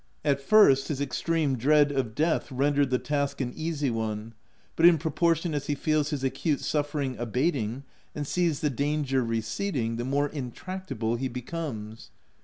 At first, his extreme dread of death OF WILDFELL HALL. 217 rendered the task an easy one ; but in propor tion as he feels his acute suffering abating and sees the danger receding, the more intractable he becomes.